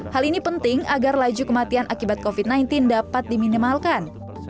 hal ini penting agar laju kematian akibat covid sembilan belas dapat diminimalkan